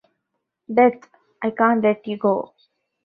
Beth, I can't let you go.